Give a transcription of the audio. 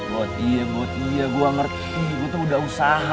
buat iya buat iya gue ngerti gue tuh udah usaha